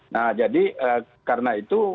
nah jadi karena itu